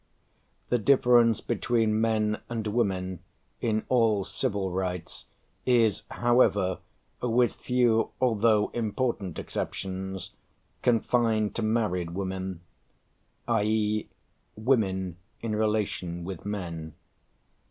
The difference between men and women in all civil rights is, however, with few, although important, exceptions, confined to married women; i.e., women in relation with men.